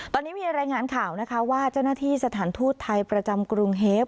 ตอนนี้มีรายงานข่าวนะคะว่าเจ้าหน้าที่สถานทูตไทยประจำกรุงเฮฟ